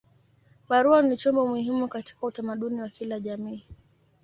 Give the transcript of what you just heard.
Barua ni chombo muhimu katika utamaduni wa kila jamii.